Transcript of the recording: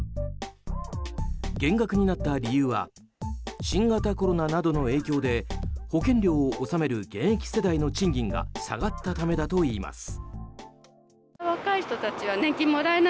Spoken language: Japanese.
減額になった理由は新型コロナなどの影響で保険料を納める現役世代の賃金が下がったためだといいます。